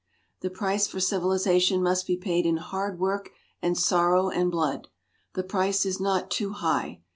The price for civilization must be paid in hard work and sorrow and blood. The price is not too high.